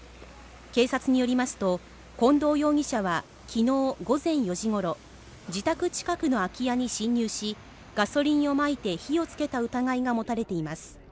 警察によりますと近藤容疑者はきのう午前４時頃、自宅近くの空き家に侵入しガソリンをまいて火をつけた疑いが持たれています。